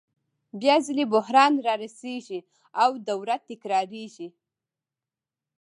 بیا ځلي بحران رارسېږي او دوره تکرارېږي